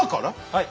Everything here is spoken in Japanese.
はい。